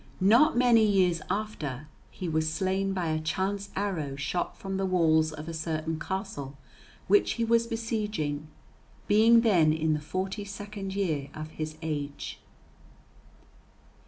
Not many years after he was slain by a chance arrow shot from the walls of a certain castle which he was besieging, being then in the forty second year of his age.